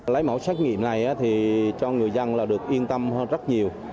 lấy mẫu xét nghiệm này thì cho người dân là được yên tâm hơn rất nhiều